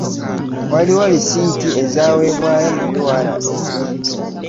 Waliwo lisiiti ezaaweebwayo mu URA